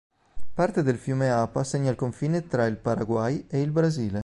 Parte del fiume Apa segna il confine tra il Paraguay e il Brasile.